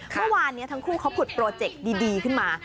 เมื่อวานนี้ทั้งคู่เขาผุดโปรเจคดีขึ้นมา